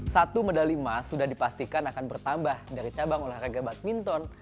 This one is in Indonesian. satu medali emas sudah dipastikan akan bertambah dari cabang olahraga badminton